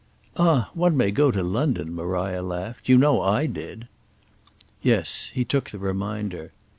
"Ah one may go to London," Maria laughed. "You know I did." Yes—he took the reminder.